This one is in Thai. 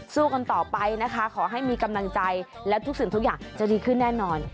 สู้กันต่อไปนะคะขอให้มีกำลังใจและทุกสิ่งทุกอย่างจะดีขึ้นแน่นอน